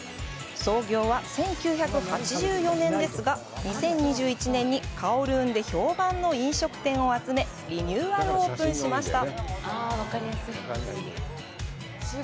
創業は１９８４年ですが２０２１年にカオルーンで評判の飲食店を集めリニューアルオープンしました。